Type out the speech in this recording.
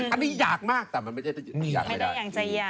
อันนี้อยากมากแต่มันไม่มีอย่างใจยาก